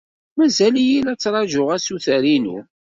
Mazal-iyi la ttṛajuɣ assuter-inu.